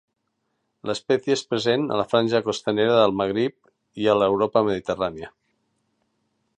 L'espècie és present a la franja costanera del Magrib i a l'Europa mediterrània.